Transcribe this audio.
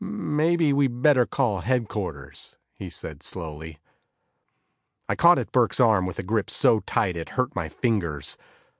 "Maybe we'd better call headquarters?" he said slowly. I caught at Burke's arm with a grip so tight it hurt my fingers.